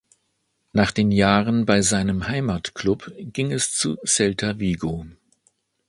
Nach den Jahren bei seinem Heimatklub ging es zu Celta Vigo.